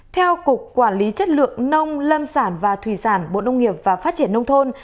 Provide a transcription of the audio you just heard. theo cục quản lý chất lượng nông lâm sản và thủy sản bộ nông nghiệp và phát triển nông thôn